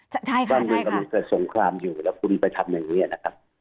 ใช่ค่ะใช่ค่ะบ้านเงินกำลังเกิดสงครามอยู่แล้วคุณไปทำอย่างนี้นะครับ